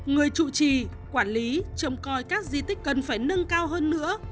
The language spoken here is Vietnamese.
người trụ trì quản lý trông coi các di tích cần phải nâng cao hơn nữa